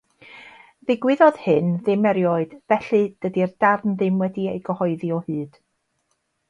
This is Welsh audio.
Ddigwyddodd hyn ddim erioed, felly dydy'r darn ddim wedi ei gyhoeddi o hyd.